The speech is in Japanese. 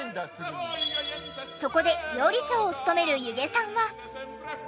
そこで料理長を務める弓削さんは。